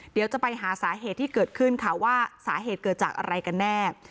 เดี๋ยวจะไปหาสาเหตุที่เกิดขึ้นค่ะว่าสาเหตุเกิดจากอะไรกันแน่